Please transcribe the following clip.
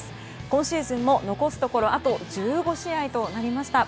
今シーズンも残すところあと１５試合となりました。